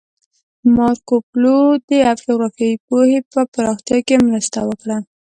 مارکوپولو د جغرافیایي پوهې په پراختیا کې مرسته وکړه.